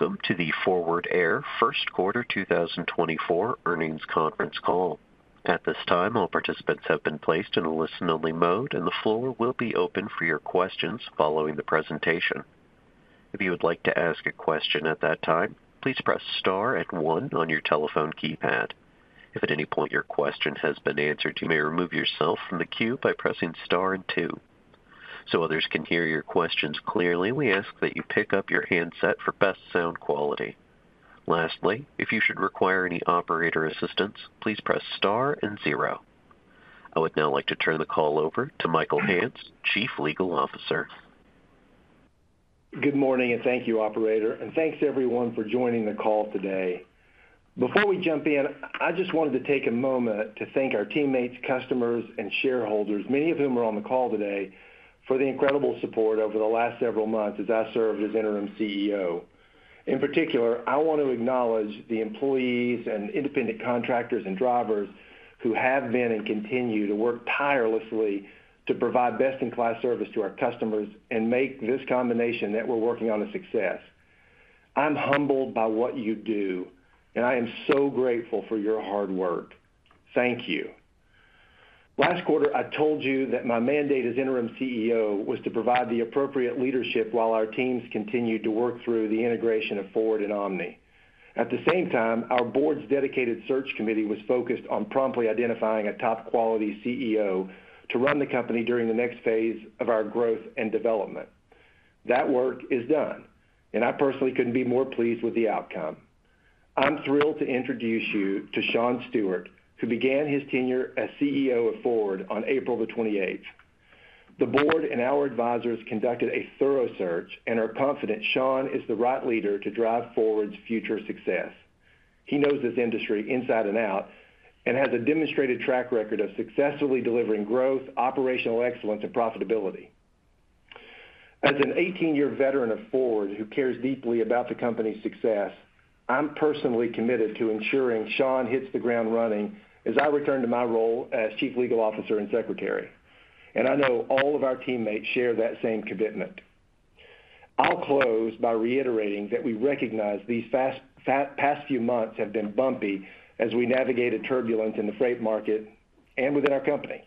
Welcome to the Forward Air First Quarter 2024 earnings conference call. At this time, all participants have been placed in a listen-only mode, and the floor will be open for your questions following the presentation. If you would like to ask a question at that time, please press star and one on your telephone keypad. If at any point your question has been answered, you may remove yourself from the queue by pressing star and two. So others can hear your questions clearly, we ask that you pick up your handset for best sound quality. Lastly, if you should require any operator assistance, please press star and zero. I would now like to turn the call over to Michael Hance, Chief Legal Officer. Good morning, and thank you, operator, and thanks, everyone, for joining the call today. Before we jump in, I just wanted to take a moment to thank our teammates, customers, and shareholders, many of whom are on the call today, for the incredible support over the last several months as I served as interim CEO. In particular, I want to acknowledge the employees and independent contractors and drivers who have been and continue to work tirelessly to provide best-in-class service to our customers and make this combination that we're working on a success. I'm humbled by what you do, and I am so grateful for your hard work. Thank you. Last quarter, I told you that my mandate as interim CEO was to provide the appropriate leadership while our teams continued to work through the integration of Forward Air and Omni Logistics. At the same time, our board's dedicated search committee was focused on promptly identifying a top-quality CEO to run the company during the next phase of our growth and development. That work is done, and I personally couldn't be more pleased with the outcome. I'm thrilled to introduce you to Shawn Stewart, who began his tenure as CEO of Forward Air on April 28th. The board and our advisors conducted a thorough search and are confident Shawn is the right leader to drive Forward Air's future success. He knows this industry inside and out and has a demonstrated track record of successfully delivering growth, operational excellence, and profitability. As an 18-year veteran of Fordward who cares deeply about the company's success, I'm personally committed to ensuring Shawn hits the ground running as I return to my role as Chief Legal Officer and Secretary, and I know all of our teammates share that same commitment. I'll close by reiterating that we recognize these past few months have been bumpy as we navigated turbulence in the freight market and within our company.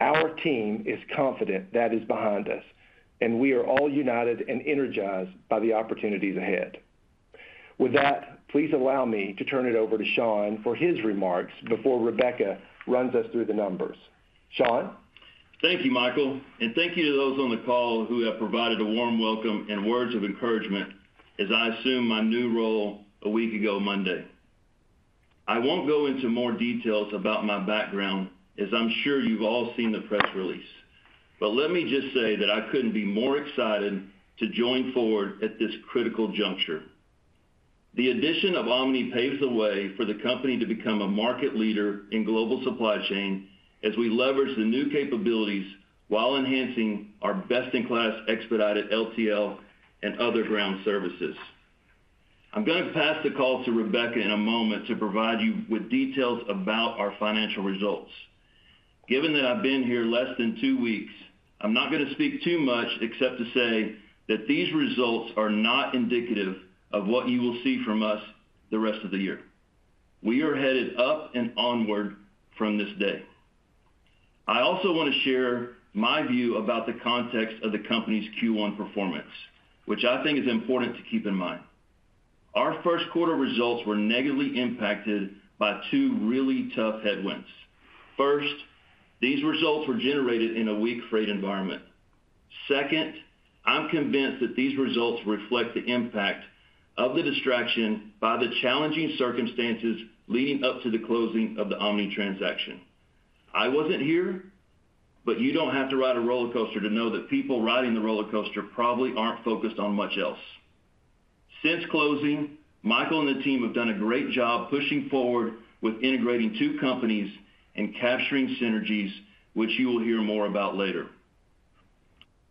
Our team is confident that is behind us, and we are all united and energized by the opportunities ahead. With that, please allow me to turn it over to Shawn for his remarks before Rebecca runs us through the numbers. Shawn? Thank you, Michael, and thank you to those on the call who have provided a warm welcome and words of encouragement as I assume my new role a week ago Monday. I won't go into more details about my background, as I'm sure you've all seen the press release, but let me just say that I couldn't be more excited to join Fordward at this critical juncture. The addition of Omni paves the way for the company to become a market leader in global supply chain as we leverage the new capabilities while enhancing our best-in-class expedited LTL and other ground services. I'm going to pass the call to Rebecca in a moment to provide you with details about our financial results. Given that I've been here less than two weeks, I'm not going to speak too much, except to say that these results are not indicative of what you will see from us the rest of the year. We are headed up and onward from this day. I also want to share my view about the context of the company's Q1 performance, which I think is important to keep in mind. Our first quarter results were negatively impacted by two really tough headwinds. First, these results were generated in a weak freight environment. Second, I'm convinced that these results reflect the impact of the distraction by the challenging circumstances leading up to the closing of the Omni transaction. I wasn't here, but you don't have to ride a roller coaster to know that people riding the roller coaster probably aren't focused on much else. Since closing, Michael and the team have done a great job pushing forward with integrating two companies and capturing synergies, which you will hear more about later.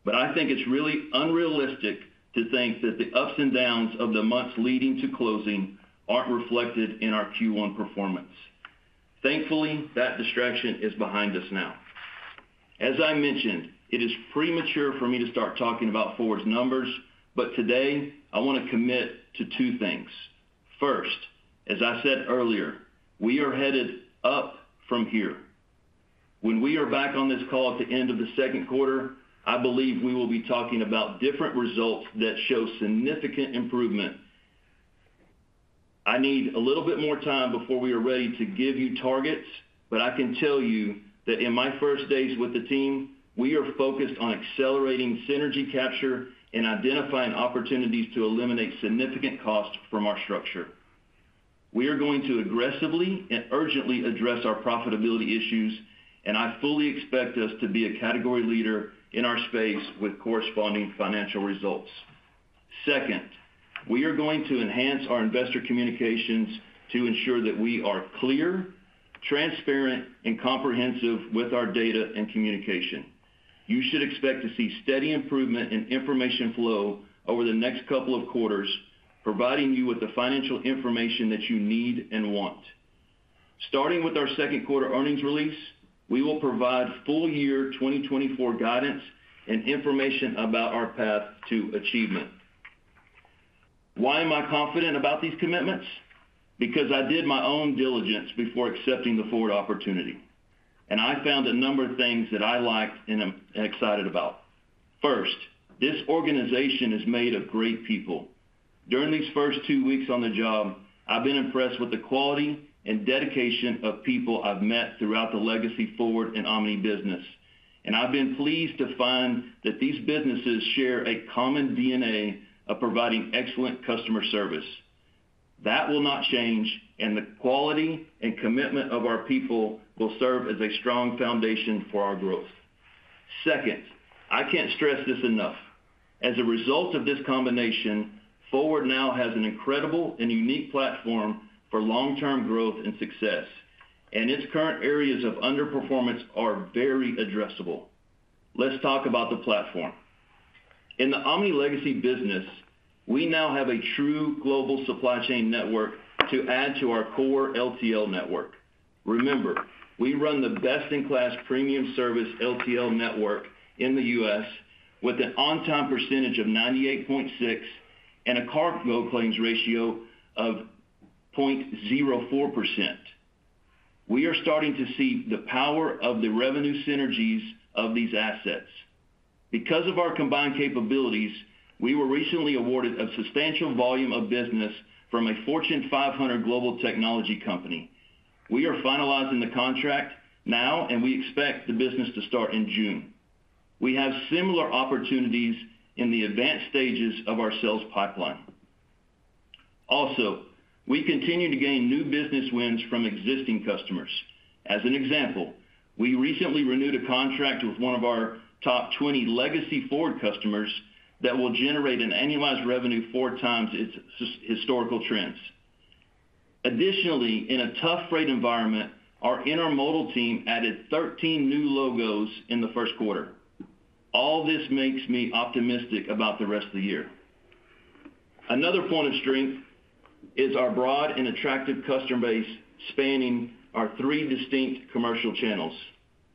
But I think it's really unrealistic to think that the ups and downs of the months leading to closing aren't reflected in our Q1 performance. Thankfully, that distraction is behind us now. As I mentioned, it is premature for me to start talking about Forward Air's numbers, but today I want to commit to two things. First, as I said earlier, we are headed up from here. When we are back on this call at the end of the second quarter, I believe we will be talking about different results that show significant improvement. I need a little bit more time before we are ready to give you targets, but I can tell you that in my first days with the team, we are focused on accelerating synergy capture and identifying opportunities to eliminate significant costs from our structure. We are going to aggressively and urgently address our profitability issues, and I fully expect us to be a category leader in our space with corresponding financial results. Second, we are going to enhance our investor communications to ensure that we are clear, transparent, and comprehensive with our data and communication. You should expect to see steady improvement in information flow over the next couple of quarters, providing you with the financial information that you need and want. Starting with our second quarter earnings release, we will provide full year 2024 guidance and information about our path to achievement. Why am I confident about these commitments? Because I did my own diligence before accepting the Forward opportunity, and I found a number of things that I liked and I'm excited about. First, this organization is made of great people. During these first two weeks on the job, I've been impressed with the quality and dedication of people I've met throughout the legacy Forward and Omni business, and I've been pleased to find that these businesses share a common DNA of providing excellent customer service. That will not change, and the quality and commitment of our people will serve as a strong foundation for our growth. Second, I can't stress this enough. As a result of this combination, Forward now has an incredible and unique platform for long-term growth and success, and its current areas of underperformance are very addressable. Let's talk about the platform. In the Omni legacy business, we now have a true global supply chain network to add to our core LTL network. Remember, we run the best-in-class premium service LTL network in the U.S., with an on-time percentage of 98.6 and a cargo claims ratio of 0.04%. We are starting to see the power of the revenue synergies of these assets. Because of our combined capabilities, we were recently awarded a substantial volume of business from a Fortune 500 global technology company. We are finalizing the contract now, and we expect the business to start in June. We have similar opportunities in the advanced stages of our sales pipeline. Also, we continue to gain new business wins from existing customers. As an example, we recently renewed a contract with one of our top 20 legacy Forward customers that will generate an annualized revenue 4 times its historical trends. Additionally, in a tough rate environment, our intermodal team added 13 new logos in the first quarter. All this makes me optimistic about the rest of the year. Another point of strength is our broad and attractive customer base, spanning our three distinct commercial channels.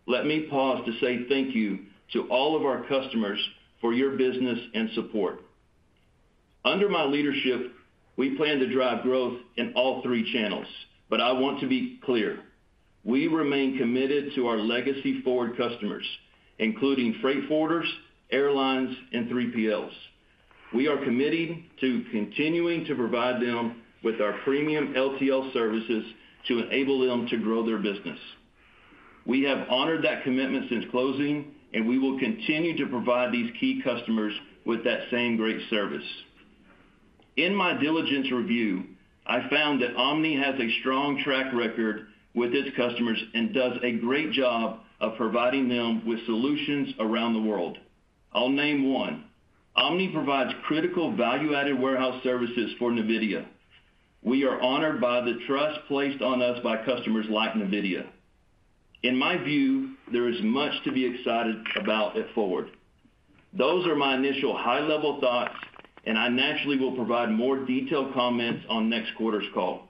Let me pause to say thank you to all of our customers for your business and support. Under my leadership, we plan to drive growth in all three channels, but I want to be clear: We remain committed to our legacy Forward customers, including freight forwarders, airlines, and 3PLs. We are committed to continuing to provide them with our premium LTL services to enable them to grow their business. We have honored that commitment since closing, and we will continue to provide these key customers with that same great service. In my diligence review, I found that Omni has a strong track record with its customers and does a great job of providing them with solutions around the world. I'll name one. Omni provides critical value-added warehouse services for NVIDIA. We are honored by the trust placed on us by customers like NVIDIA. In my view, there is much to be excited about at Forward. Those are my initial high-level thoughts, and I naturally will provide more detailed comments on next quarter's call.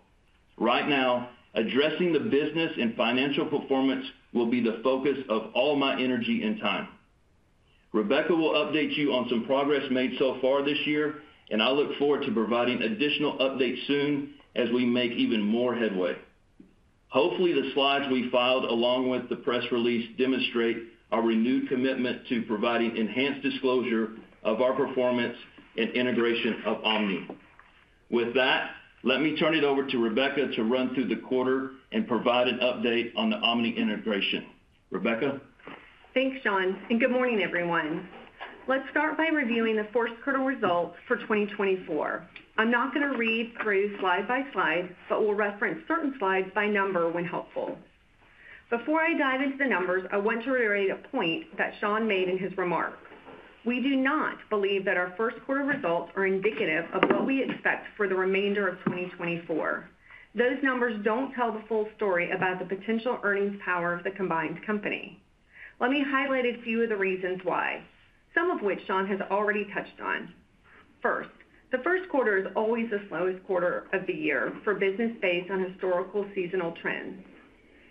Right now, addressing the business and financial performance will be the focus of all my energy and time. Rebecca will update you on some progress made so far this year, and I look forward to providing additional updates soon as we make even more headway. Hopefully, the slides we filed, along with the press release, demonstrate our renewed commitment to providing enhanced disclosure of our performance and integration of Omni. With that, let me turn it over to Rebecca to run through the quarter and provide an update on the Omni integration. Rebecca? Thanks, Shawn, and good morning, everyone. Let's start by reviewing the first quarter results for 2024. I'm not going to read through slide by slide, but will reference certain slides by number when helpful. Before I dive into the numbers, I want to reiterate a point that Shawn made in his remarks. We do not believe that our first quarter results are indicative of what we expect for the remainder of 2024. Those numbers don't tell the full story about the potential earnings power of the combined company. Let me highlight a few of the reasons why, some of which Shawn has already touched on. First, the first quarter is always the slowest quarter of the year for business based on historical seasonal trends.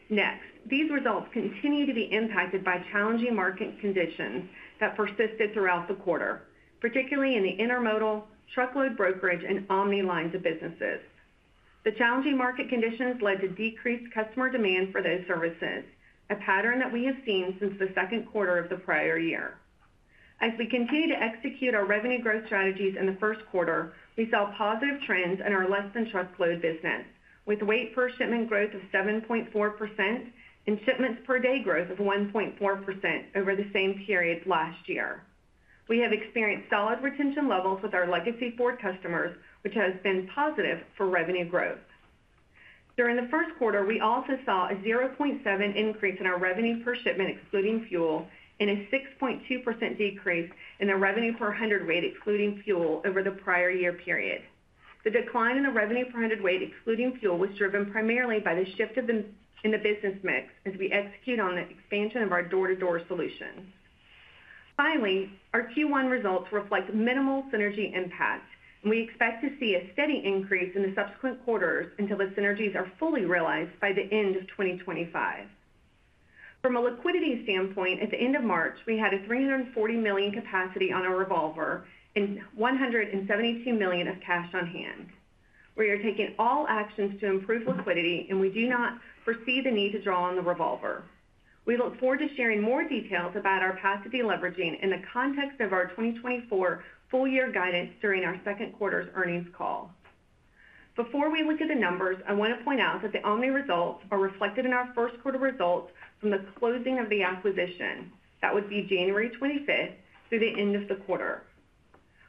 Next, these results continue to be impacted by challenging market conditions that persisted throughout the quarter, particularly in the intermodal, truckload brokerage, and omni lines of businesses. The challenging market conditions led to decreased customer demand for those services, a pattern that we have seen since the second quarter of the prior year. As we continue to execute our revenue growth strategies in the first quarter, we saw positive trends in our less-than-truckload business, with weight per shipment growth of 7.4% and shipments per day growth of 1.4% over the same period last year. We have experienced solid retention levels with our legacy Forward customers, which has been positive for revenue growth. During the first quarter, we also saw a 0.7 increase in our revenue per shipment, excluding fuel, and a 6.2% decrease in the revenue per hundredweight, excluding fuel, over the prior year period. The decline in the revenue per hundredweight, excluding fuel, was driven primarily by the shift in the business mix as we execute on the expansion of our door-to-door solution. Finally, our Q1 results reflect minimal synergy impact, and we expect to see a steady increase in the subsequent quarters until the synergies are fully realized by the end of 2025. From a liquidity standpoint, at the end of March, we had a $340 million capacity on our revolver and $172 million of cash on hand. We are taking all actions to improve liquidity, and we do not foresee the need to draw on the revolver. We look forward to sharing more details about our path to deleveraging in the context of our 2024 full-year guidance during our second quarter's earnings call. Before we look at the numbers, I want to point out that the only results are reflected in our first quarter results from the closing of the acquisition. That would be January 25th, through the end of the quarter.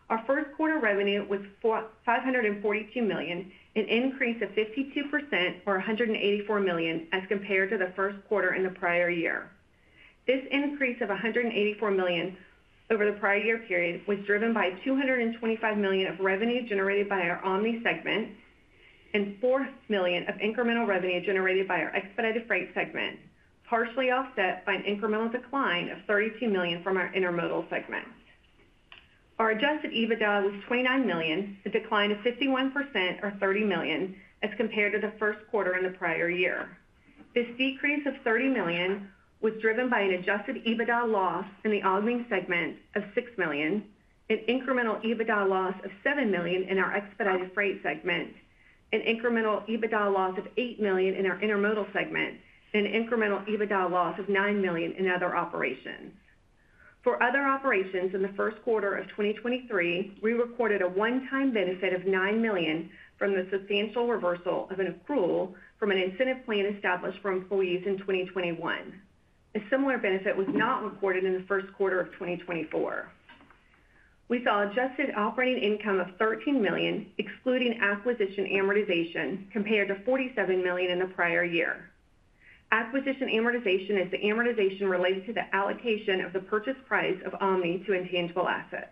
Our first quarter revenue was $542 million, an increase of 52% or $184 million as compared to the first quarter in the prior year. This increase of $184 million over the prior year period was driven by $225 million of revenue generated by our Omni segment and $4 million of incremental revenue generated by our expedited freight segment, partially offset by an incremental decline of $32 million from our intermodal segment. Our Adjusted EBITDA was $29 million, a decline of 51% or $30 million as compared to the first quarter in the prior year. This decrease of $30 million was driven by an Adjusted EBITDA loss in the Omni segment of $6 million, an incremental EBITDA loss of $7 million in our expedited freight segment, an incremental EBITDA loss of $8 million in our intermodal segment, and an incremental EBITDA loss of $9 million in other operations. For other operations in the first quarter of 2023, we recorded a one-time benefit of $9 million from the substantial reversal of an accrual from an incentive plan established for employees in 2021. A similar benefit was not reported in the first quarter of 2024. We saw adjusted operating income of $13 million, excluding acquisition amortization, compared to $47 million in the prior year. Acquisition amortization is the amortization related to the allocation of the purchase price of Omni to intangible assets.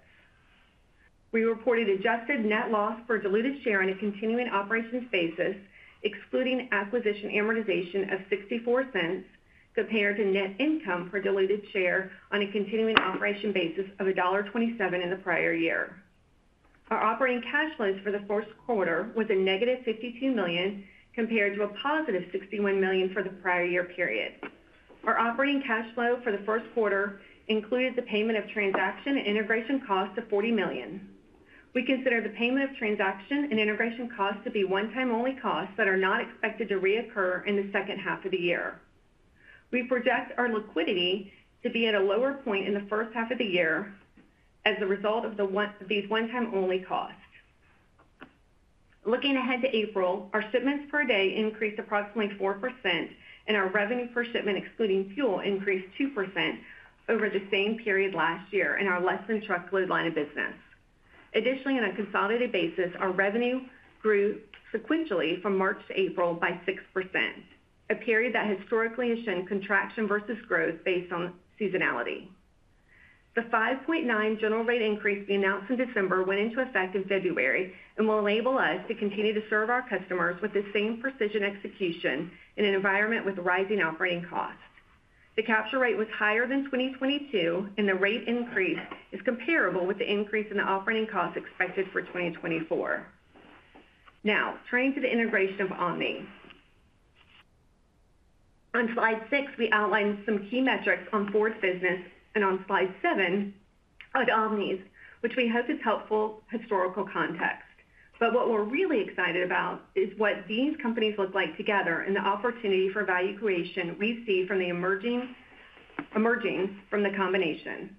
We reported adjusted net loss per diluted share on a continuing operations basis, excluding acquisition amortization of $0.64, compared to net income per diluted share on a continuing operation basis of $1.27 in the prior year. Our operating cash flows for the first quarter was a negative $52 million, compared to a positive $61 million for the prior year period. Our operating cash flow for the first quarter included the payment of transaction and integration costs of $40 million. We consider the payment of transaction and integration costs to be one-time only costs that are not expected to reoccur in the second half of the year. We project our liquidity to be at a lower point in the first half of the year as a result of these one-time only costs. Looking ahead to April, our shipments per day increased approximately 4%, and our revenue per shipment, excluding fuel, increased 2% over the same period last year in our less-than-truckload line of business. Additionally, on a consolidated basis, our revenue grew sequentially from March to April by 6%, a period that historically has shown contraction versus growth based on seasonality. The 5.9% general rate increase we announced in December went into effect in February and will enable us to continue to serve our customers with the same precision execution in an environment with rising operating costs. The capture rate was higher than 2022, and the rate increase is comparable with the increase in the operating costs expected for 2024. Now, turning to the integration of Omni. On slide 6, we outlined some key metrics on Forward Air's business, and on slide 7, on Omni's, which we hope is helpful historical context. But what we're really excited about is what these companies look like together and the opportunity for value creation we see from the emerging from the combination.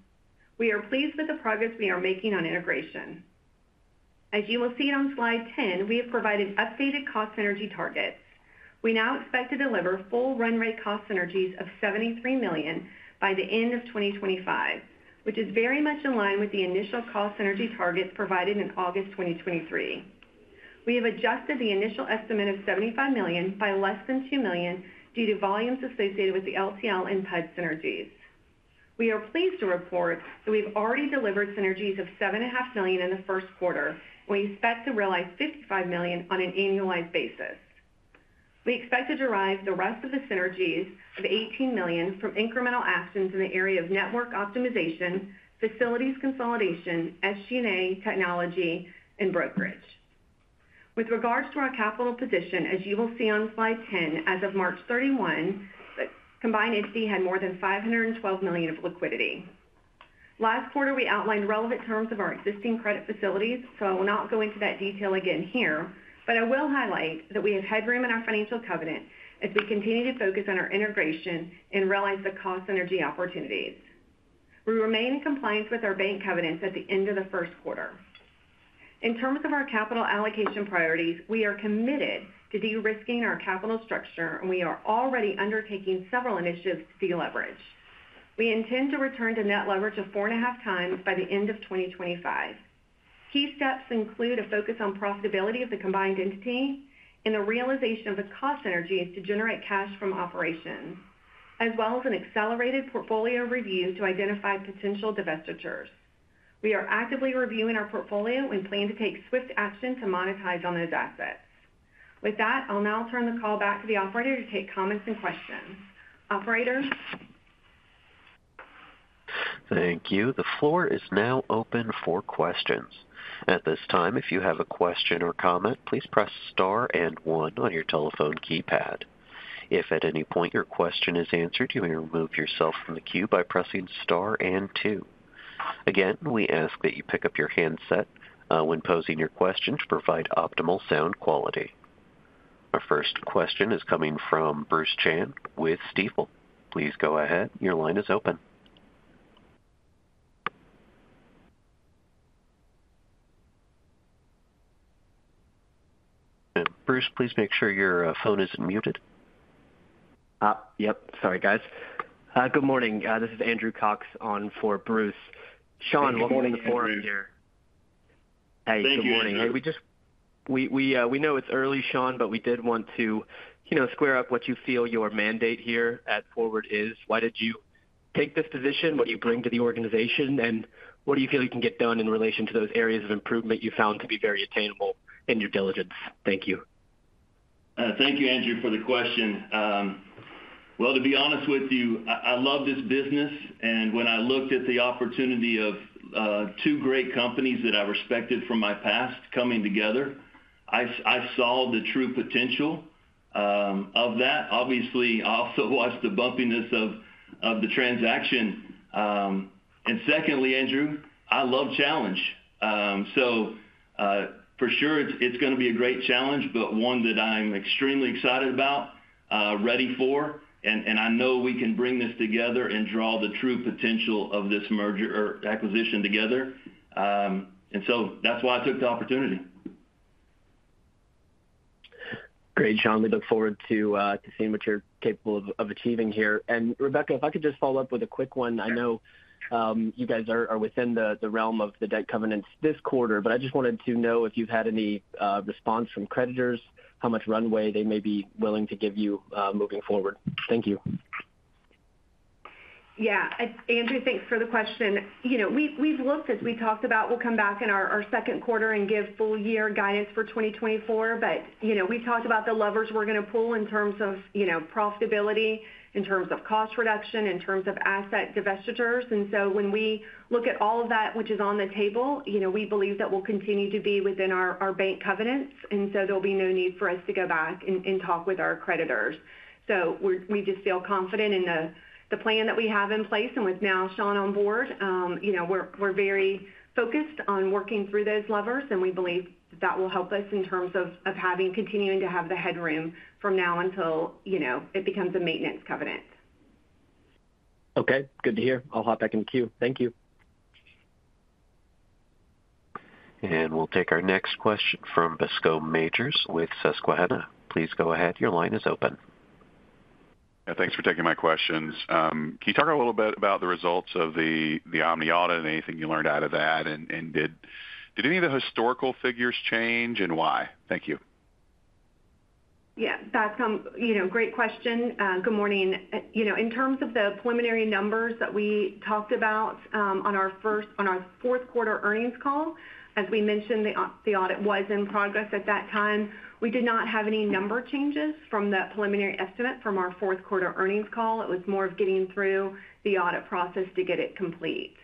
We are pleased with the progress we are making on integration. As you will see on slide 10, we have provided updated cost synergy targets. We now expect to deliver full run rate cost synergies of $73 million by the end of 2025, which is very much in line with the initial cost synergy targets provided in August 2023. We have adjusted the initial estimate of $75 million by less than $2 million due to volumes associated with the LTL and PUD synergies. We are pleased to report that we've already delivered synergies of $7.5 million in the first quarter, and we expect to realize $55 million on an annualized basis. We expect to derive the rest of the synergies of $18 million from incremental actions in the area of network optimization, facilities consolidation, SG&A, technology, and brokerage. With regards to our capital position, as you will see on slide 10, as of March 31, the combined entity had more than $512 million of liquidity. Last quarter, we outlined relevant terms of our existing credit facilities, so I will not go into that detail again here, but I will highlight that we have headroom in our financial covenant as we continue to focus on our integration and realize the cost synergy opportunities. We remain in compliance with our bank covenants at the end of the first quarter. In terms of our capital allocation priorities, we are committed to de-risking our capital structure, and we are already undertaking several initiatives to deleverage. We intend to return to net leverage of 4.5x by the end of 2025. Key steps include a focus on profitability of the combined entity and the realization of the cost synergies to generate cash from operations, as well as an accelerated portfolio review to identify potential divestitures. We are actively reviewing our portfolio and plan to take swift action to monetize on those assets.... With that, I'll now turn the call back to the operator to take comments and questions. Operator? Thank you. The floor is now open for questions. At this time, if you have a question or comment, please press Star and One on your telephone keypad. If at any point your question is answered, you may remove yourself from the queue by pressing Star and Two. Again, we ask that you pick up your handset when posing your question to provide optimal sound quality. Our first question is coming from Bruce Chan with Stifel. Please go ahead. Your line is open. Bruce, please make sure your phone isn't muted. Yep, sorry, guys. Good morning. This is Andrew Cox on for Bruce. Good morning, Andrew. Shawn, welcome to the forum here. Hey, good morning. Thank you, Andrew. We just know it's early, Shawn, but we did want to, you know, square up what you feel your mandate here at Forward is. Why did you take this position? What do you bring to the organization? And what do you feel you can get done in relation to those areas of improvement you found to be very attainable in your diligence? Thank you. Thank you, Andrew, for the question. Well, to be honest with you, I love this business, and when I looked at the opportunity of two great companies that I respected from my past coming together, I saw the true potential of that. Obviously, I also watched the bumpiness of the transaction. And secondly, Andrew, I love challenge. So, for sure it's gonna be a great challenge, but one that I'm extremely excited about, ready for, and I know we can bring this together and draw the true potential of this merger or acquisition together. And so that's why I took the opportunity. Great, Shawn. We look forward to seeing what you're capable of achieving here. And, Rebecca, if I could just follow up with a quick one. I know, you guys are within the realm of the debt covenants this quarter, but I just wanted to know if you've had any response from creditors, how much runway they may be willing to give you moving forward. Thank you. Yeah. Andrew, thanks for the question. You know, we've looked, as we talked about, we'll come back in our second quarter and give full year guidance for 2024. But, you know, we've talked about the levers we're going to pull in terms of, you know, profitability, in terms of cost reduction, in terms of asset divestitures. And so when we look at all of that, which is on the table, you know, we believe that we'll continue to be within our bank covenants, and so there'll be no need for us to go back and talk with our creditors. So we just feel confident in the plan that we have in place. With now Shawn on board, you know, we're very focused on working through those levers, and we believe that will help us in terms of having continuing to have the headroom from now until, you know, it becomes a maintenance covenant. Okay, good to hear. I'll hop back in the queue. Thank you. We'll take our next question from Bascome Majors with Susquehanna. Please go ahead. Your line is open. Yeah, thanks for taking my questions. Can you talk a little bit about the results of the Omni audit and anything you learned out of that? And did any of the historical figures change, and why? Thank you. Yeah, Bascome, you know, great question. Good morning. You know, in terms of the preliminary numbers that we talked about, on our fourth quarter earnings call, as we mentioned, the audit was in progress at that time. We did not have any number changes from that preliminary estimate from our fourth quarter earnings call. It was more of getting through the audit process to get it complete.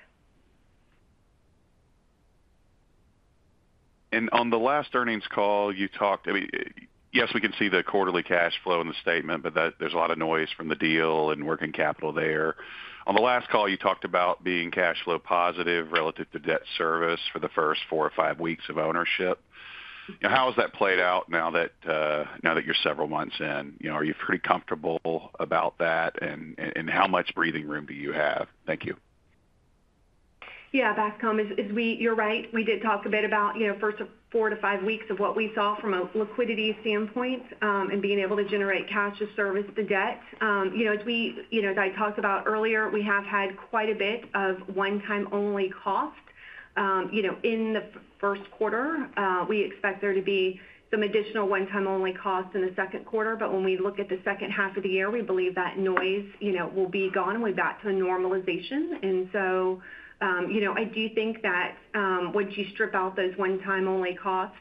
On the last earnings call, you talked... I mean, yes, we can see the quarterly cash flow in the statement, but that, there's a lot of noise from the deal and working capital there. On the last call, you talked about being cash flow positive relative to debt service for the first four or five weeks of ownership. How has that played out now that, now that you're several months in? You know, are you pretty comfortable about that, and, and, and how much breathing room do you have? Thank you. Yeah, Bascome, as we, you're right. We did talk a bit about, you know, first 4-5 weeks of what we saw from a liquidity standpoint, and being able to generate cash to service the debt. You know, as we, you know, as I talked about earlier, we have had quite a bit of one-time-only cost, you know, in the first quarter. We expect there to be some additional one-time-only costs in the second quarter, but when we look at the second half of the year, we believe that noise, you know, will be gone. We're back to a normalization. And so, you know, I do think that, once you strip out those one-time-only costs,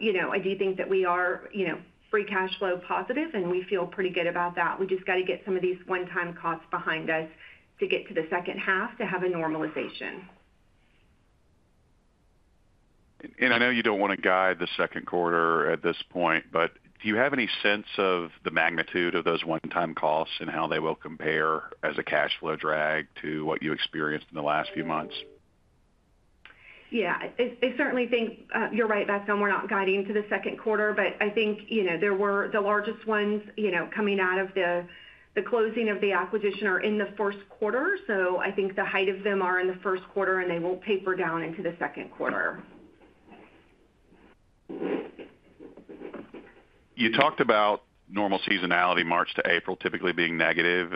you know, I do think that we are, you know, free cash flow positive, and we feel pretty good about that. We just got to get some of these one-time costs behind us to get to the second half to have a normalization. I know you don't want to guide the second quarter at this point, but do you have any sense of the magnitude of those one-time costs and how they will compare as a cash flow drag to what you experienced in the last few months? Yeah. I certainly think you're right, Bascome. We're not guiding to the second quarter, but I think, you know, there were the largest ones, you know, coming out of the closing of the acquisition or in the first quarter. So I think the height of them are in the first quarter, and they will taper down into the second quarter. You talked about normal seasonality, March to April, typically being negative.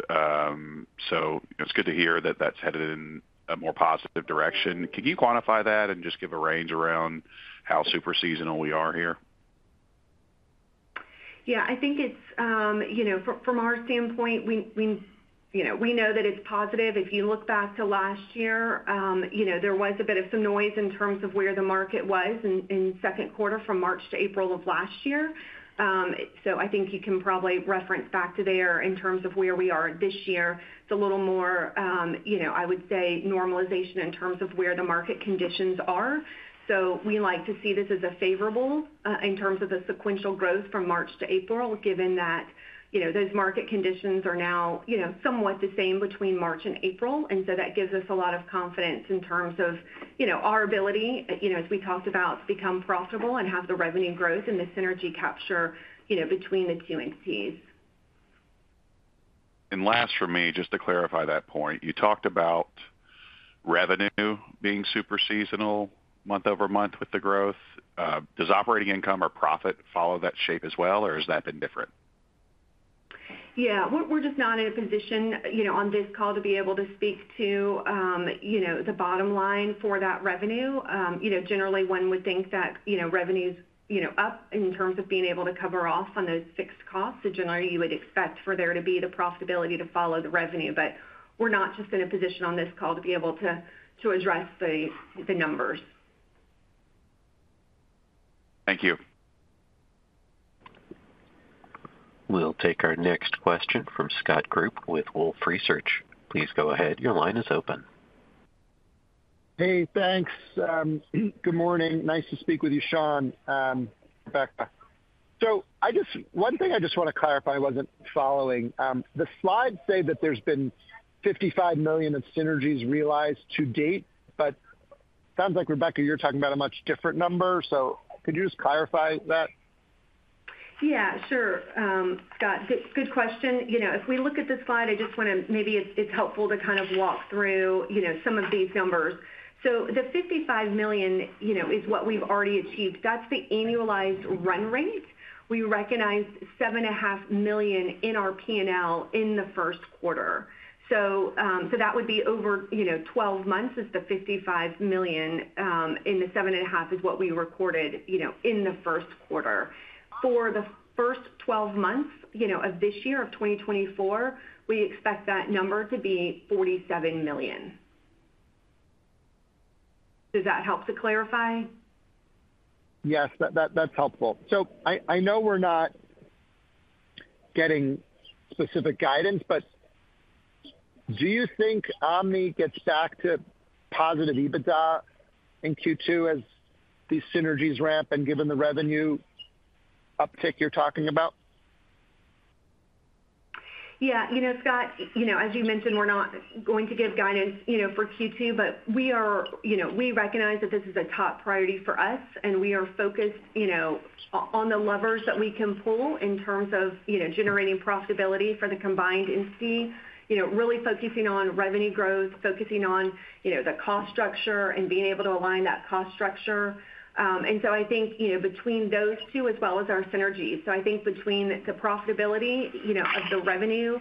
So it's good to hear that that's headed in a more positive direction. Can you quantify that and just give a range around how super seasonal we are here?... Yeah, I think it's, you know, from our standpoint, we, you know, we know that it's positive. If you look back to last year, you know, there was a bit of some noise in terms of where the market was in second quarter from March to April of last year. So I think you can probably reference back to there in terms of where we are this year. It's a little more, you know, I would say, normalization in terms of where the market conditions are. So we like to see this as a favorable, in terms of the sequential growth from March to April, given that, you know, those market conditions are now, you know, somewhat the same between March and April. And so that gives us a lot of confidence in terms of, you know, our ability, you know, as we talked about, to become profitable and have the revenue growth and the synergy capture, you know, between the two entities. Last for me, just to clarify that point, you talked about revenue being super seasonal month over month with the growth. Does operating income or profit follow that shape as well, or has that been different? Yeah, we're just not in a position, you know, on this call to be able to speak to the bottom line for that revenue. You know, generally one would think that, you know, revenue's, you know, up in terms of being able to cover off on those fixed costs. So generally, you would expect for there to be the profitability to follow the revenue, but we're not just in a position on this call to be able to address the numbers. Thank you. We'll take our next question from Scott Group with Wolfe Research. Please go ahead. Your line is open. Hey, thanks. Good morning. Nice to speak with you, Shawn, Rebecca. So I just—one thing I just want to clarify, I wasn't following. The slides say that there's been $55 million of synergies realized to date, but sounds like, Rebecca, you're talking about a much different number, so could you just clarify that? Yeah, sure. Scott, good, good question. You know, if we look at the slide, I just want to, maybe it's, it's helpful to kind of walk through, you know, some of these numbers. So the $55 million, you know, is what we've already achieved. That's the annualized run rate. We recognized $7.5 million in our P&L in the first quarter. So, so that would be over, you know, 12 months is the $55 million, and the $7.5 million is what we recorded, you know, in the first quarter. For the first 12 months, you know, of this year, of 2024, we expect that number to be $47 million. Does that help to clarify? Yes, that's helpful. So I know we're not getting specific guidance, but do you think Omni gets back to positive EBITDA in Q2 as these synergies ramp and given the revenue uptick you're talking about? Yeah, you know, Scott, you know, as you mentioned, we're not going to give guidance, you know, for Q2, but we are... You know, we recognize that this is a top priority for us, and we are focused, you know, on the levers that we can pull in terms of, you know, generating profitability for the combined entity. You know, really focusing on revenue growth, focusing on, you know, the cost structure and being able to align that cost structure. And so I think, you know, between those two as well as our synergies, so I think between the profitability, you know, of the revenue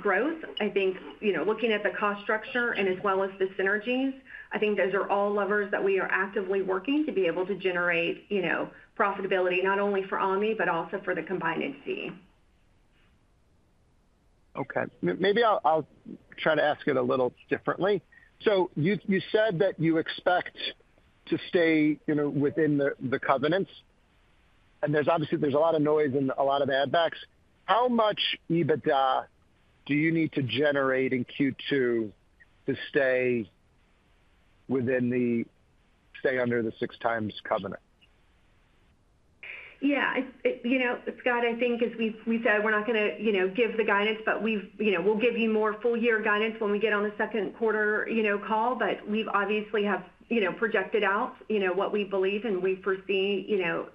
growth, I think, you know, looking at the cost structure and as well as the synergies, I think those are all levers that we are actively working to be able to generate, you know, profitability, not only for Omni, but also for the combined entity. Okay, maybe I'll try to ask it a little differently. So you said that you expect to stay, you know, within the covenants, and there's obviously a lot of noise and a lot of add backs. How much EBITDA do you need to generate in Q2 to stay within the covenants, stay under the 6x covenant? Yeah. You know, Scott, I think as we've said, we're not going to, you know, give the guidance, but, you know, we'll give you more full year guidance when we get on the second quarter, you know, call. But we've obviously have, you know, projected out, you know, what we believe, and we foresee, you know,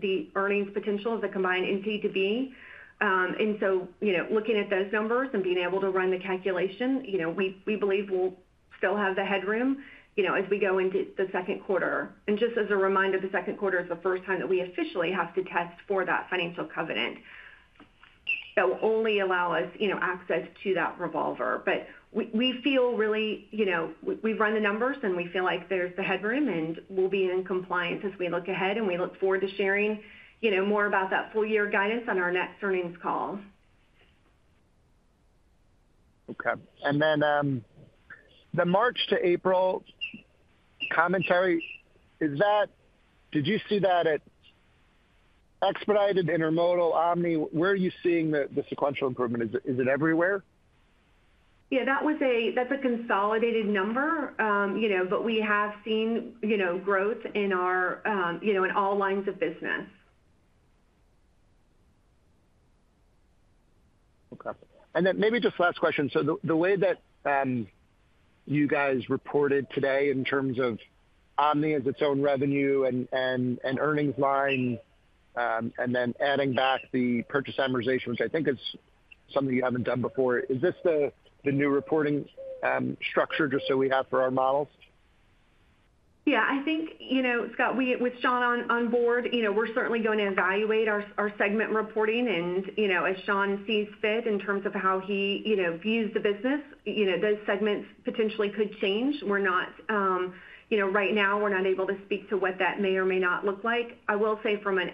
the earnings potential of the combined entity to be. And so, you know, looking at those numbers and being able to run the calculation, you know, we believe we'll still have the headroom, you know, as we go into the second quarter. And just as a reminder, the second quarter is the first time that we officially have to test for that financial covenant. That will only allow us, you know, access to that revolver. But we feel really, you know, we've run the numbers and we feel like there's the headroom and we'll be in compliance as we look ahead, and we look forward to sharing, you know, more about that full year guidance on our next earnings call. Okay. And then, the March to April commentary, is that, did you see that at expedited Intermodal, Omni? Where are you seeing the sequential improvement? Is it everywhere? Yeah, that's a consolidated number. You know, but we have seen, you know, growth in our, you know, in all lines of business. Okay. And then maybe just last question. So the way that you guys reported today in terms of Omni as its own revenue and earnings line, and then adding back the purchase amortization, which I think is something you haven't done before, is this the new reporting structure just so we have for our models?... Yeah, I think, you know, Scott, we, with Shawn on, on board, you know, we're certainly going to evaluate our, our segment reporting. And, you know, as Shawn sees fit in terms of how he, you know, views the business, you know, those segments potentially could change. We're not, you know, right now we're not able to speak to what that may or may not look like. I will say from an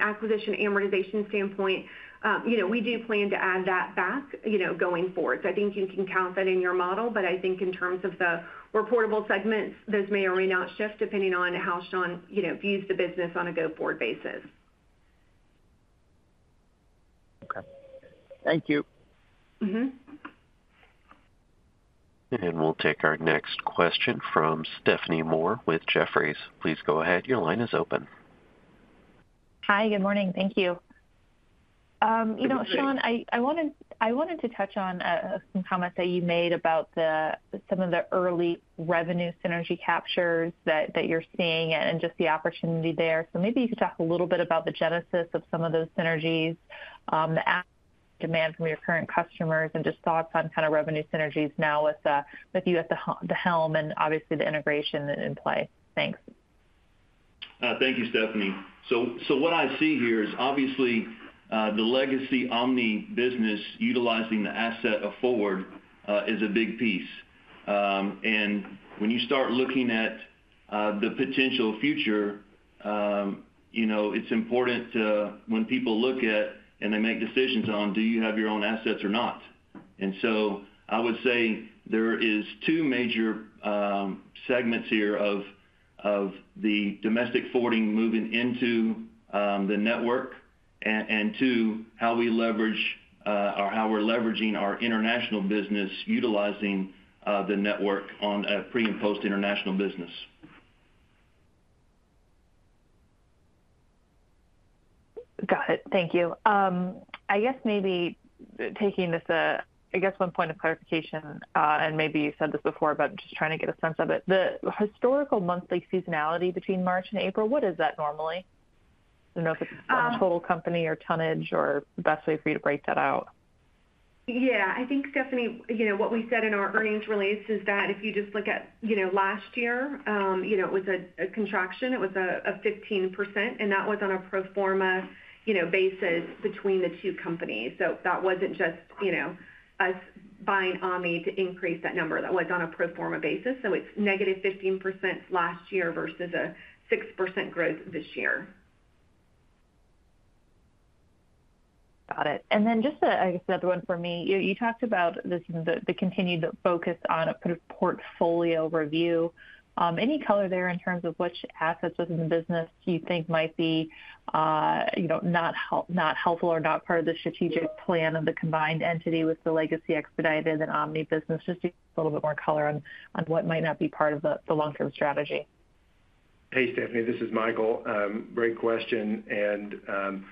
acquisition amortization standpoint, you know, we do plan to add that back, you know, going forward. So I think you can count that in your model, but I think in terms of the reportable segments, those may or may not shift depending on how Shawn, you know, views the business on a go-forward basis. Okay. Thank you. Mm-hmm. We'll take our next question from Stephanie Moore with Jefferies. Please go ahead. Your line is open. Hi, good morning. Thank you. You know, Shawn, I wanted to touch on some comments that you made about the some of the early revenue synergy captures that you're seeing and just the opportunity there. So maybe you could talk a little bit about the genesis of some of those synergies, the demand from your current customers, and just thoughts on kind of revenue synergies now with you at the helm and obviously the integration in play. Thanks. Thank you, Stephanie. So what I see here is obviously the legacy Omni business utilizing the asset of Forward is a big piece. And when you start looking at the potential future, you know, it's important to when people look at and they make decisions on, do you have your own assets or not? And so I would say there is two major segments here of the domestic forwarding moving into the network, and two, how we leverage or how we're leveraging our international business utilizing the network on a pre- and post-international business. Got it. Thank you. I guess maybe taking this, I guess one point of clarification, and maybe you said this before, but just trying to get a sense of it. The historical monthly seasonality between March and April, what is that normally? I don't know if it's total company or tonnage or the best way for you to break that out. Yeah, I think, Stephanie, you know, what we said in our earnings release is that if you just look at, you know, last year, you know, it was a, a 15%, and that was on a pro forma, you know, basis between the two companies. So that wasn't just, you know, us buying Omni to increase that number. That was on a pro forma basis, so it's -15% last year versus a 6% growth this year. Got it. Then just, I guess another one for me. You talked about this, the continued focus on a sort of portfolio review. Any color there in terms of which assets within the business do you think might be, you know, not help- not helpful or not part of the strategic plan of the combined entity with the legacy Expedited and Omni business? Just to get a little bit more color on what might not be part of the long-term strategy. Hey, Stephanie, this is Michael. Great question, and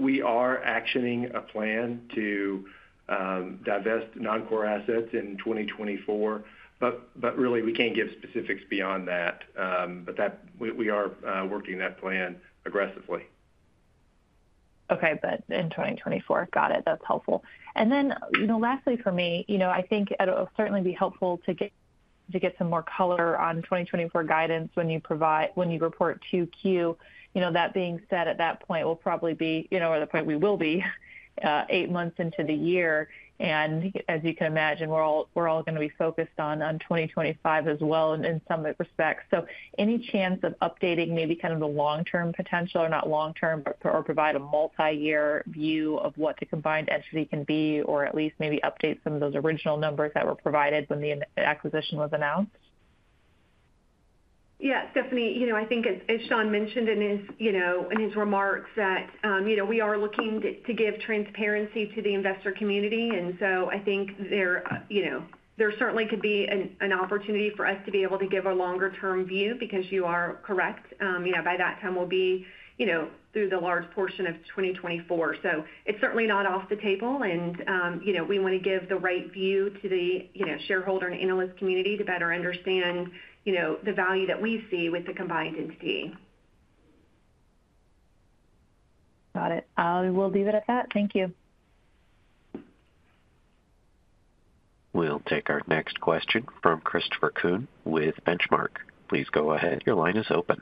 we are actioning a plan to divest non-core assets in 2024, but really, we can't give specifics beyond that. But that we are working that plan aggressively. Okay, but in 2024. Got it. That's helpful. And then, you know, lastly, for me, you know, I think it'll certainly be helpful to get, to get some more color on 2024 guidance when you provide—when you report 2Q. You know, that being said, at that point, we'll probably be, you know, or the point we will be, eight months into the year. And as you can imagine, we're all, we're all going to be focused on, on 2025 as well in some respects. So any chance of updating maybe kind of the long-term potential or not long term, but, or provide a multiyear view of what the combined entity can be, or at least maybe update some of those original numbers that were provided when the acquisition was announced? Yeah, Stephanie, you know, I think as, as Shawn mentioned in his, you know, in his remarks, that, you know, we are looking to, to give transparency to the investor community. And so I think there, you know, there certainly could be an, an opportunity for us to be able to give a longer-term view because you are correct. You know, by that time, we'll be, you know, through the large portion of 2024. So it's certainly not off the table, and, you know, we want to give the right view to the, you know, shareholder and analyst community to better understand, you know, the value that we see with the combined entity. Got it. I will leave it at that. Thank you. We'll take our next question from Christopher Kuhn with Benchmark. Please go ahead. Your line is open.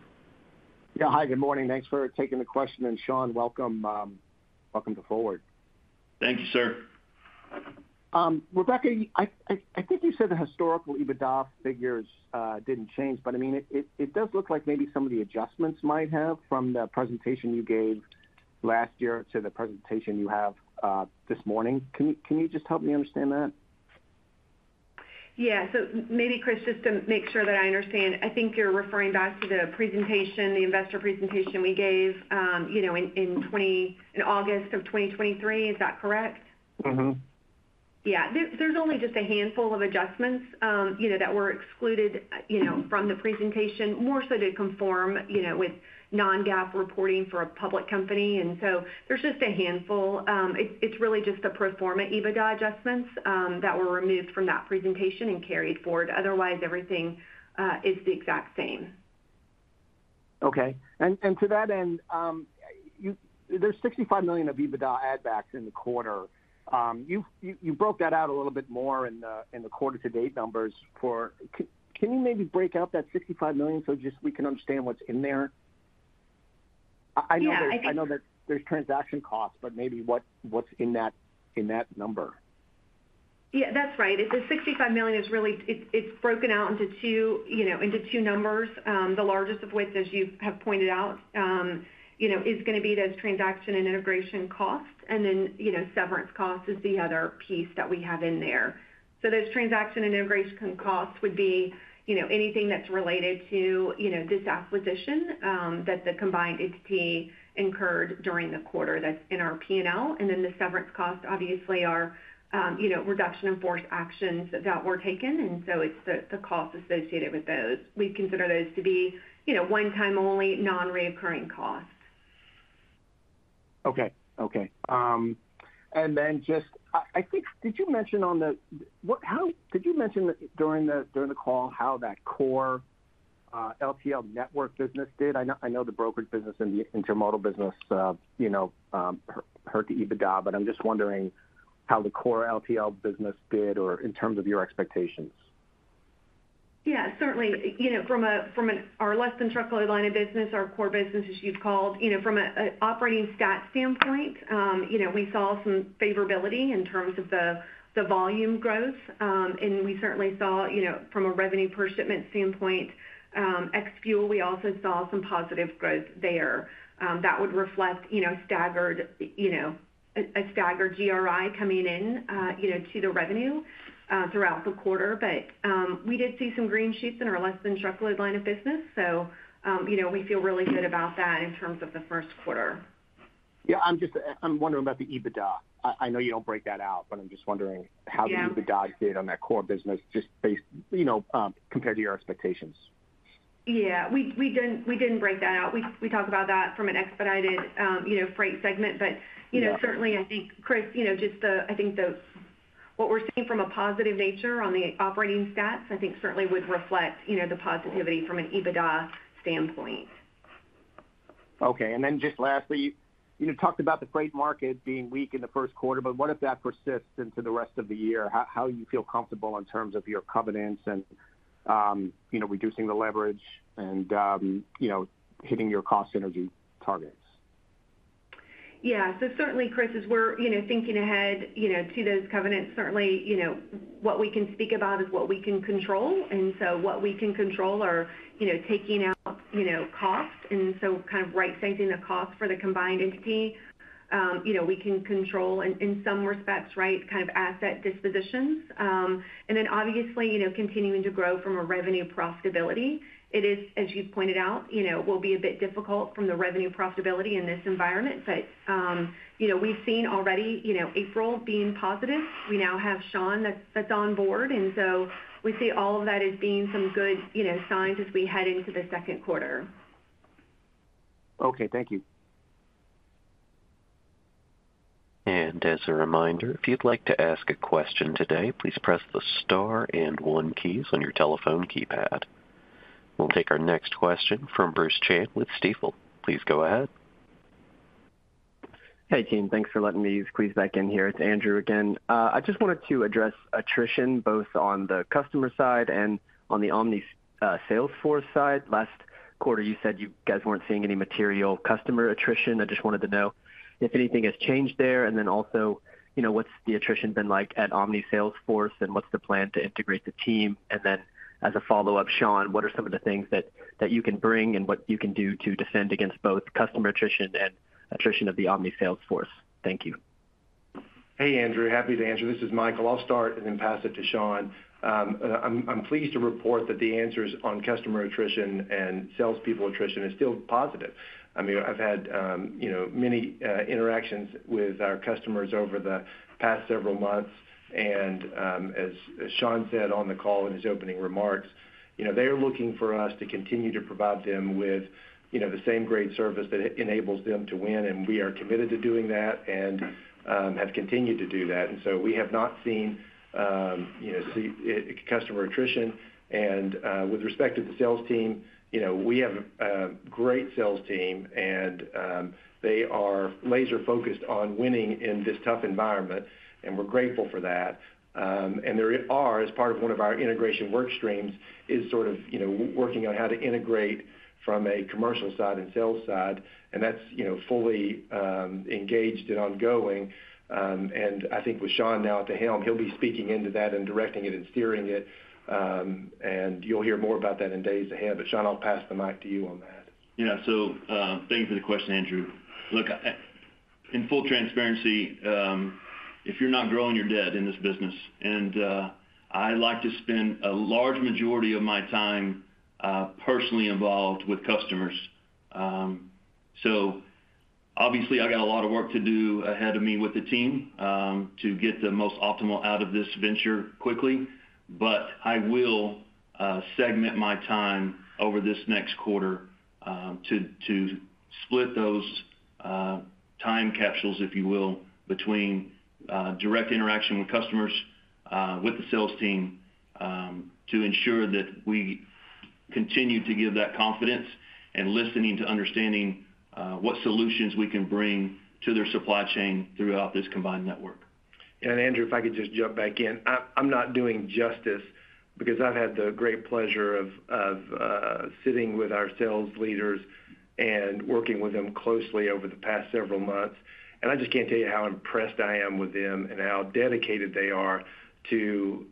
Yeah. Hi, good morning. Thanks for taking the question, and Shawn, welcome, welcome to Forward. Thank you, sir. Rebecca, I think you said the historical EBITDA figures didn't change, but I mean, it does look like maybe some of the adjustments might have from the presentation you gave last year to the presentation you have this morning. Can you just help me understand that? Yeah. So maybe, Chris, just to make sure that I understand, I think you're referring back to the presentation, the investor presentation we gave, you know, in August of 2023. Is that correct? Mm-hmm. Yeah. There, there's only just a handful of adjustments, you know, that were excluded, you know, from the presentation, more so to conform, you know, with non-GAAP reporting for a public company, and so there's just a handful. It, it's really just the pro forma EBITDA adjustments, that were removed from that presentation and carried forward. Otherwise, everything is the exact same.... Okay. And to that end, there's $65 million of EBITDA add backs in the quarter. You broke that out a little bit more in the quarter to date numbers for— Can you maybe break out that $65 million, so just we can understand what's in there? I know that- Yeah, I think- I know that there's transaction costs, but maybe what, what's in that, in that number? Yeah, that's right. The $65 million is really, it's broken out into two, you know, into two numbers, the largest of which, as you have pointed out, you know, is going to be those transaction and integration costs, and then, you know, severance costs is the other piece that we have in there. So those transaction and integration costs would be, you know, anything that's related to, you know, this acquisition, that the combined entity incurred during the quarter that's in our P&L. And then the severance costs obviously are, you know, reduction in force actions that were taken, and so it's the costs associated with those. We consider those to be, you know, one-time only, non-recurring costs. Okay. Okay. And then just, I think, did you mention on the call how that core LTL network business did? I know, I know the brokerage business and the intermodal business, you know, hurt the EBITDA, but I'm just wondering how the core LTL business did in terms of your expectations. Yeah, certainly. You know, from our less-than-truckload line of business, our core business, as you've called, you know, from an operating stat standpoint, you know, we saw some favorability in terms of the volume growth. And we certainly saw, you know, from a revenue per shipment standpoint, ex fuel, we also saw some positive growth there. That would reflect, you know, a staggered GRI coming in, you know, to the revenue throughout the quarter. But we did see some green shoots in our less-than-truckload line of business. So you know, we feel really good about that in terms of the first quarter. Yeah, I'm just wondering about the EBITDA. I know you don't break that out, but I'm just wondering- Yeah -how the EBITDA did on that core business, just based, you know, compared to your expectations. Yeah, we didn't break that out. We talked about that from an expedited, you know, freight segment. But, you know- Yeah Certainly, I think, Chris, you know, just the, I think the, what we're seeing from a positive nature on the operating stats, I think certainly would reflect, you know, the positivity from an EBITDA standpoint. Okay. Then just lastly, you know, talked about the freight market being weak in the first quarter, but what if that persists into the rest of the year? How you feel comfortable in terms of your covenants and, you know, reducing the leverage and, you know, hitting your cost synergy targets? Yeah. So certainly, Chris, as we're, you know, thinking ahead, you know, to those covenants, certainly, you know, what we can speak about is what we can control, and so what we can control are, you know, taking out, you know, costs, and so kind of right-sizing the cost for the combined entity. You know, we can control in, in some respects, right, kind of asset dispositions. And then obviously, you know, continuing to grow from a revenue profitability. It is, as you've pointed out, you know, will be a bit difficult from the revenue profitability in this environment, but, you know, we've seen already, you know, April being positive. We now have Shawn that's, that's on board, and so we see all of that as being some good, you know, signs as we head into the second quarter. Okay, thank you. As a reminder, if you'd like to ask a question today, please press the star and one keys on your telephone keypad. We'll take our next question from Bruce Chan with Stifel. Please go ahead. Hey, team. Thanks for letting me squeeze back in here. It's Andrew again. I just wanted to address attrition, both on the customer side and on the Omni sales force side. Last quarter, you said you guys weren't seeing any material customer attrition. I just wanted to know if anything has changed there, and then also, you know, what's the attrition been like at Omni sales force, and what's the plan to integrate the team? And then as a follow-up, Shawn, what are some of the things that you can bring and what you can do to defend against both customer attrition and attrition of the Omni sales force? Thank you. Hey, Andrew. Happy to answer. This is Michael. I'll start and then pass it to Shawn. I'm pleased to report that the answers on customer attrition and salespeople attrition is still positive. I mean, I've had, you know, many interactions with our customers over the past several months, and, as Shawn said on the call in his opening remarks, you know, they are looking for us to continue to provide them with, you know, the same great service that enables them to win, and we are committed to doing that and have continued to do that. And so we have not seen, you know, customer attrition. And, with respect to the sales team, you know, we have a great sales team, and they are laser-focused on winning in this tough environment, and we're grateful for that. And there are, as part of one of our integration work streams, is sort of, you know, working on how to integrate from a commercial side and sales side, and that's, you know, fully, engaged and ongoing. And I think with Shawn now at the helm, he'll be speaking into that and directing it and steering it. And you'll hear more about that in days ahead. But Shawn, I'll pass the mic to you on that. Yeah. So, thank you for the question, Andrew. Look, in full transparency, if you're not growing, you're dead in this business, and I like to spend a large majority of my time personally involved with customers. So obviously, I got a lot of work to do ahead of me with the team to get the most optimal out of this venture quickly. But I will segment my time over this next quarter to split those time capsules, if you will, between direct interaction with customers with the sales team to ensure that we continue to give that confidence and listening to understanding what solutions we can bring to their supply chain throughout this combined network. And Andrew, if I could just jump back in. I'm not doing justice because I've had the great pleasure of sitting with our sales leaders and working with them closely over the past several months, and I just can't tell you how impressed I am with them and how dedicated they are to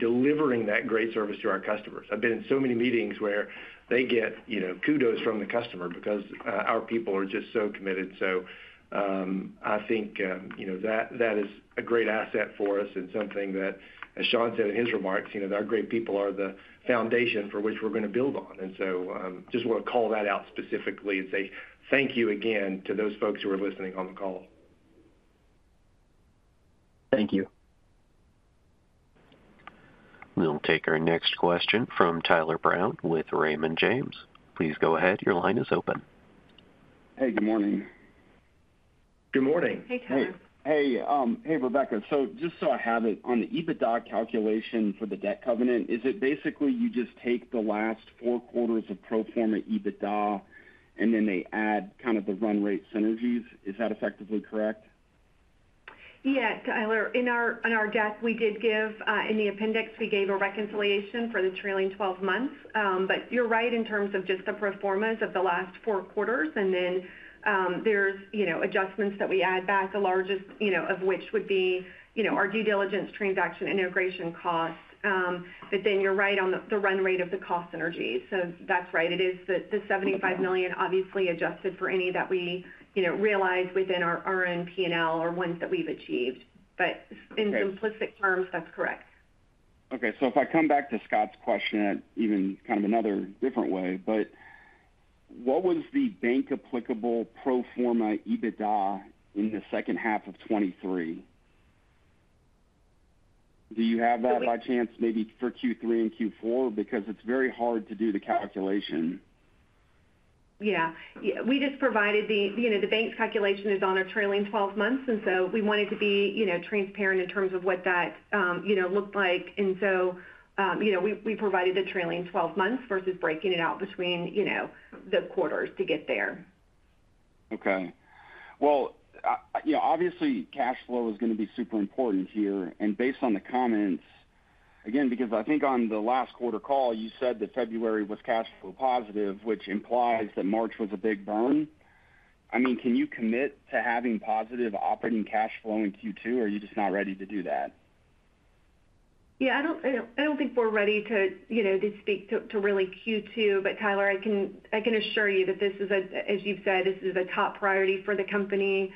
delivering that great service to our customers. I've been in so many meetings where they get, you know, kudos from the customer because our people are just so committed. So, I think, you know, that, that is a great asset for us and something that, as Shawn said in his remarks, you know, our great people are the foundation for which we're gonna build on. And so, just want to call that out specifically and say thank you again to those folks who are listening on the call. Thank you. We'll take our next question from Tyler Brown with Raymond James. Please go ahead. Your line is open. Hey, good morning. Good morning. Hey, Tyler. Hey, hey, Rebecca. So just so I have it, on the EBITDA calculation for the debt covenant, is it basically you just take the last four quarters of pro forma EBITDA, and then they add kind of the run rate synergies? Is that effectively correct? Yeah, Tyler, in our, in our deck, we did give, in the appendix, we gave a reconciliation for the trailing 12 months. But you're right in terms of just the pro formas of the last four quarters, and then, there's, you know, adjustments that we add back, the largest, you know, of which would be, you know, our due diligence transaction integration costs. But then you're right on the, the run rate of the cost synergy. So that's right. It is the, the $75 million obviously adjusted for any that we, you know, realize within our run P&L or ones that we've achieved. But- Okay. In simplistic terms, that's correct. Okay. So if I come back to Scott's question, even kind of another different way, but what was the bank applicable pro forma EBITDA in the second half of 2023? Do you have that by chance, maybe for Q3 and Q4? Because it's very hard to do the calculation. Yeah. We just provided the. You know, the bank's calculation is on a trailing twelve months, and so we wanted to be, you know, transparent in terms of what that, you know, looked like. And so, you know, we, we provided the trailing twelve months versus breaking it out between, you know, the quarters to get there. Okay. Well, you know, obviously, cash flow is gonna be super important here, and based on the comments, again, because I think on the last quarter call, you said that February was cash flow positive, which implies that March was a big burn. I mean, can you commit to having positive operating cash flow in Q2, or are you just not ready to do that? Yeah, I don't think we're ready to, you know, to speak to really Q2, but Tyler, I can assure you that this is a, as you've said, this is a top priority for the company.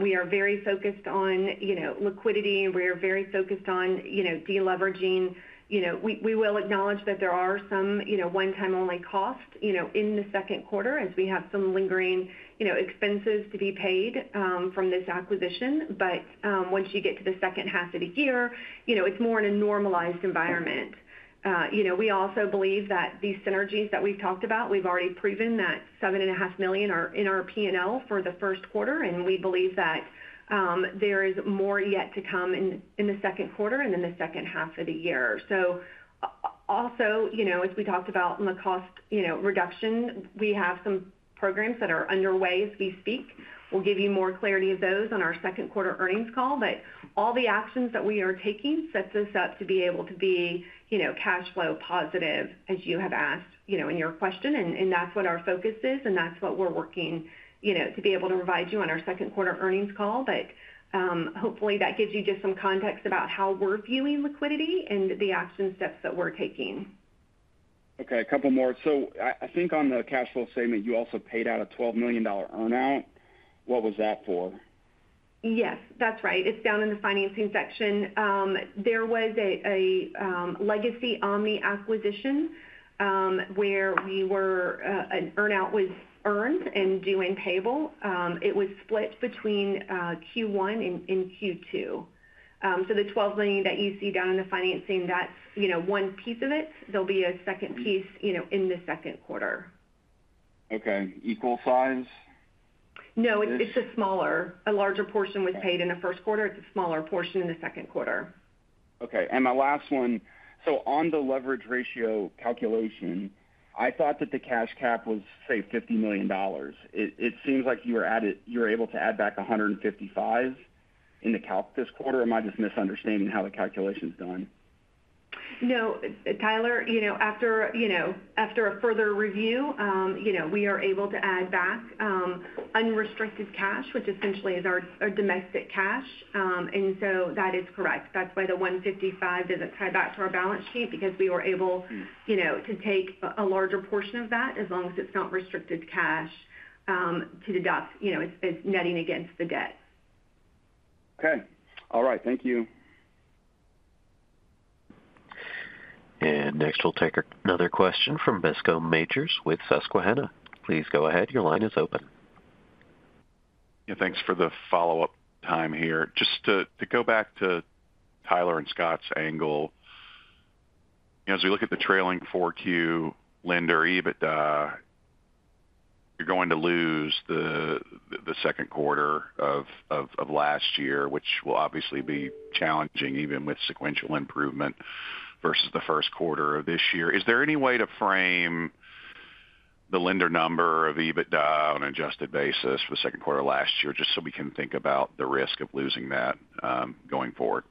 We are very focused on, you know, liquidity, and we are very focused on, you know, deleveraging. You know, we will acknowledge that there are some, you know, one-time only costs, you know, in the second quarter as we have some lingering, you know, expenses to be paid from this acquisition. But once you get to the second half of the year, you know, it's more in a normalized environment. You know, we also believe that these synergies that we've talked about, we've already proven that $7.5 million are in our P&L for the first quarter, and we believe that there is more yet to come in the second quarter and in the second half of the year. So also, you know, as we talked about in the cost, you know, reduction, we have some programs that are underway as we speak. We'll give you more clarity of those on our second quarter earnings call, but all the actions that we are taking sets us up to be able to be, you know, cash flow positive, as you have asked, you know, in your question, and that's what our focus is, and that's what we're working, you know, to be able to provide you on our second quarter earnings call. But, hopefully, that gives you just some context about how we're viewing liquidity and the action steps that we're taking. Okay, a couple more. So I think on the cash flow statement, you also paid out a $12 million earn-out. What was that for? Yes, that's right. It's down in the financing section. There was a legacy Omni acquisition, where we were, an earn-out was earned and due and payable. It was split between Q1 and Q2. So the $12 million that you see down in the financing, that's, you know, one piece of it. There'll be a second piece, you know, in the second quarter. Okay. Equal size? No, it's a smaller. A larger portion was paid in the first quarter. It's a smaller portion in the second quarter. Okay, and my last one: so on the leverage ratio calculation, I thought that the cash cap was, say, $50 million. It, it seems like you were added-- you were able to add back $155 million in the calc this quarter, or am I just misunderstanding how the calculation is done? No, Tyler, you know, after, you know, after a further review, you know, we are able to add back, unrestricted cash, which essentially is our, our domestic cash. And so that is correct. That's why the $155 doesn't tie back to our balance sheet, because we were able- Mm. —you know, to take a larger portion of that, as long as it's not restricted cash, to the debt, you know, it's, it's netting against the debt. Okay. All right. Thank you. Next, we'll take another question from Bascome Majors with Susquehanna. Please go ahead. Your line is open.... Yeah, thanks for the follow-up time here. Just to go back to Tyler and Scott's angle, as we look at the trailing 4Q lender EBITDA, you're going to lose the second quarter of last year, which will obviously be challenging, even with sequential improvement versus the first quarter of this year. Is there any way to frame the lender number of EBITDA on an adjusted basis for the second quarter of last year, just so we can think about the risk of losing that, going forward?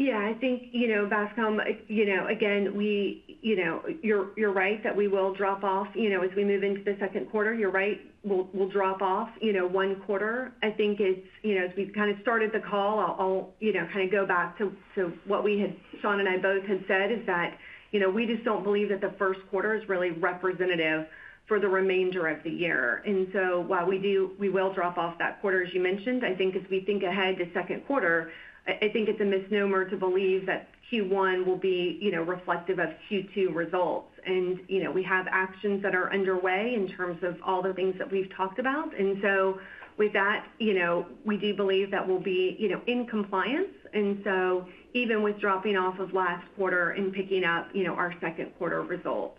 Yeah, I think, you know, Bascome, you know, again, we, you know, you're, you're right that we will drop off. You know, as we move into the second quarter, you're right, we'll, we'll drop off, you know, one quarter. I think it's, you know, as we've kind of started the call, I'll, you know, kind of go back to, to what we had, Shawn and I both had said is that, you know, we just don't believe that the first quarter is really representative for the remainder of the year. And so while we do, we will drop off that quarter, as you mentioned, I think as we think ahead to second quarter, I, I think it's a misnomer to believe that Q1 will be, you know, reflective of Q2 results. And, you know, we have actions that are underway in terms of all the things that we've talked about. And so with that, you know, we do believe that we'll be, you know, in compliance, and so even with dropping off of last quarter and picking up, you know, our second quarter results.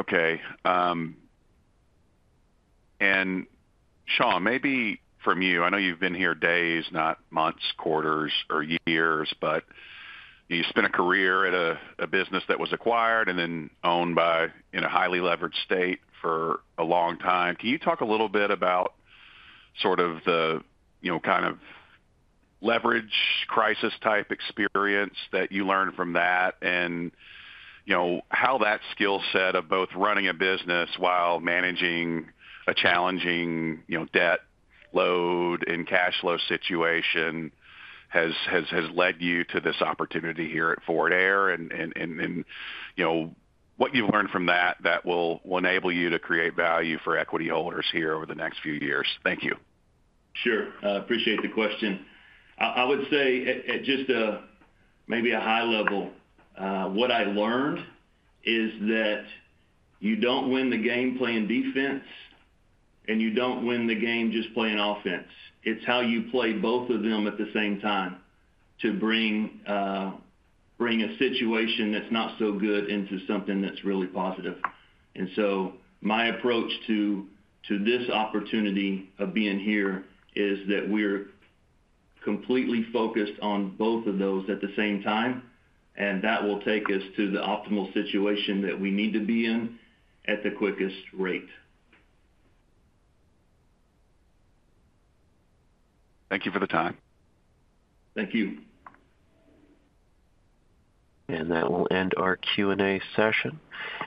Okay, and, Shawn, maybe from you, I know you've been here days, not months, quarters, or years, but you spent a career at a business that was acquired and then owned by, in a highly leveraged state for a long time. Can you talk a little bit about sort of the, you know, kind of leverage crisis-type experience that you learned from that, and, you know, how that skill set of both running a business while managing a challenging, you know, debt load and cash flow situation has led you to this opportunity here at Forward Air, and, you know, what you've learned from that that will enable you to create value for equity holders here over the next few years? Thank you. Sure. I appreciate the question. I would say at just a maybe a high level, what I learned is that you don't win the game playing defense, and you don't win the game just playing offense. It's how you play both of them at the same time to bring a situation that's not so good into something that's really positive. And so my approach to this opportunity of being here is that we're completely focused on both of those at the same time, and that will take us to the optimal situation that we need to be in at the quickest rate. Thank you for the time. Thank you. That will end our Q&A session,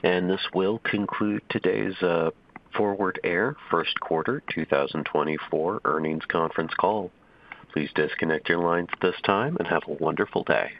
and this will conclude today's Forward Air first quarter 2024 earnings conference call. Please disconnect your lines at this time, and have a wonderful day.